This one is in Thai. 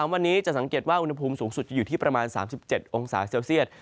วันนี้จะสังเกตว่าอุณหภูมิสูงสุดจะอยู่ที่ประมาณ๓๗องศาเซลเซียต